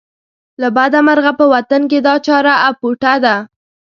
له بده مرغه په وطن کې دا چاره اپوټه ده.